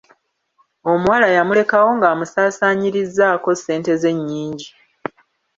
Omuwala yamulekawo ng'amusaasanyirizzaako ssente ze nnyingi.